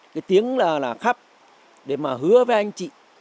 cái tiếng là khắp để mà hứa với anh chị